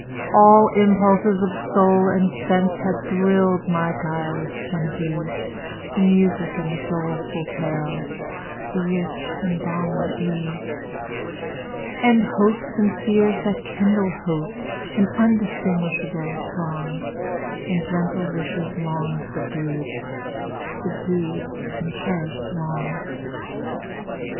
All impulses of soul and senseHad thrill'd my guileless Genevieve; The music and the doleful tale, The rich and balmy eve; And hopes, and fears that kindle hope, An undistinguishable throng, And gentle wishes long subdued, Subdued and cherish'd long!